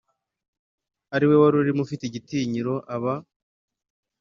ariwe warurimo ufite igitinyiro aba